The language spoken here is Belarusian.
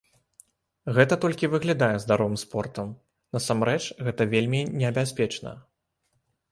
Гэта толькі выглядае здаровым спортам, насамрэч, гэта вельмі небяспечна.